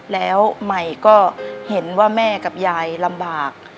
แล้วใหม่ก็เห็นว่าแม่กับยายลำบาก